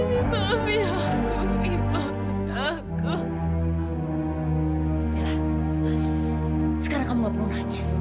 mila sekarang kamu nggak perlu nangis